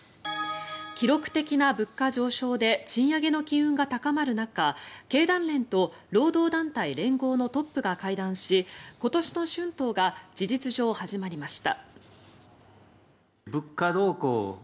記録的な物価上昇で賃上げの機運が高まる中経団連と労働団体、連合のトップが会談し今年の春闘が事実上、始まりました。